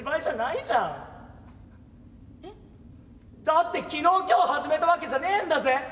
だって昨日今日始めたわけじゃねえんだぜ？